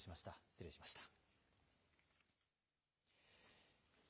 失礼しました。